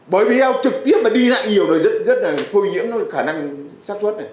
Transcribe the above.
bởi vì trực tiếp mà đi lại nhiều rất là khôi nhiễm khả năng sát xuất